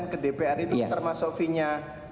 ke dpr itu termasuk fee nya